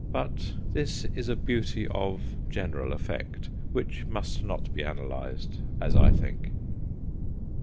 But this is a beauty of general effect, which must not be analyzed, as I think.